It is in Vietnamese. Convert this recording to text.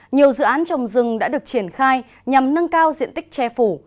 nhiều dự án trồng rừng đã được triển khai nhằm nâng cao diện tích che phủ